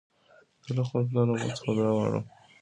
زه له خپل پلار او مور څخه دؤعا غواړم.